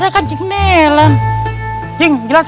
iya cing nelan bilang ke rum kayak gitu